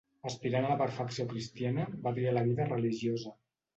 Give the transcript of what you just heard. Aspirant a la perfecció cristiana, va triar la vida religiosa.